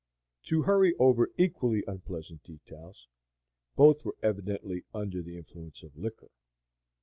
To hurry over equally unpleasant details, both were evidently under the influence of liquor.